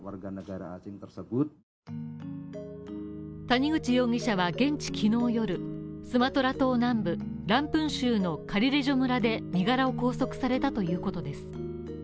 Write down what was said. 谷口容疑者は現地きのう夜、スマトラ島南部ランプン州のカリレジョ村で身柄を拘束されたということです。